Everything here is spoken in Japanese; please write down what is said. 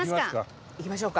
行きましょうか。